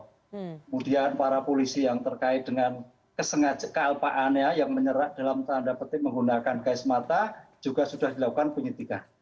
kemudian para polisi yang terkait dengan kealpaannya yang menyerap dalam tanda petik menggunakan gais mata juga sudah dilakukan penyidikan